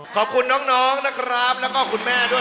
ขอบคุณน้องนะครับแล้วก็คุณแม่ด้วย